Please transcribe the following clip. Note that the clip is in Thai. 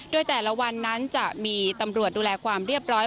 โดยแต่ละวันนั้นจะมีตำรวจดูแลความเรียบร้อย